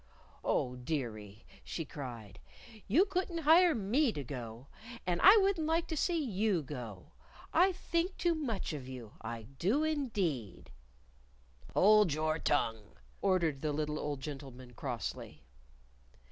"Oh, dearie," she cried, "you couldn't hire me to go. And I wouldn't like to see you go. I think too much of you, I do indeed." "Hold your tongue!" ordered the little old gentleman, crossly.